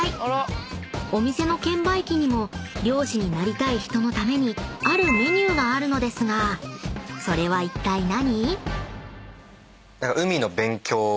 ［お店の券売機にも漁師になりたい人のためにあるメニューがあるのですがそれはいったい何？］